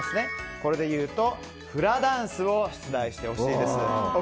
これでいうとフラダンスを出題してほしいです。